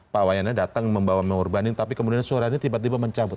pak iwayan datang membawa mengurbanin tapi kemudian suaranya tiba tiba mencabut